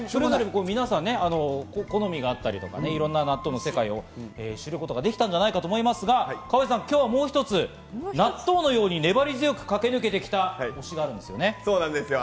皆さん、好みがあったり、いろんな納豆の世界を知ることができたんじゃないかと思いますが、河合さん、今日はもう一つ、納豆のようにねばり強く駆け抜けてきた推しがあるんですよね。